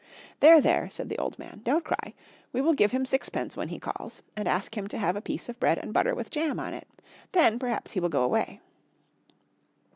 "There, there," said the old man, "don't cry. We will give him sixpence when he calls, and ask him to have a piece of bread and butter with jam on it. Then perhaps he will go away."